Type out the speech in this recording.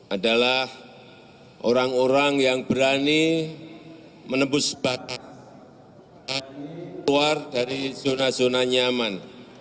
adalah orang orang yang berani menembus batas keluar dari zona zona nyaman